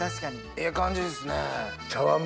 ええ感じですね。